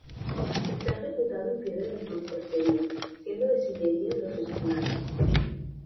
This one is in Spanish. Está ejecutada en piedra de mampostería, siendo de sillería los esquinales.